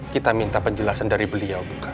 kita minta penjelasan dari beliau